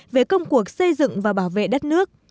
về công cuộc xây dựng và bảo vệ đất nước